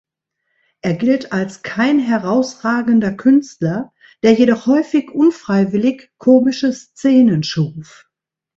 Er gilt als kein herausragender Künstler, der jedoch häufig unfreiwillig komische Szenen schuf.